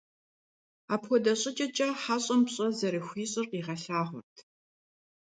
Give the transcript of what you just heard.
Апхуэдэ щӀыкӀэкӀэ хьэщӀэм пщӀэ зэрыхуищӀыр къигъэлъагъуэрт.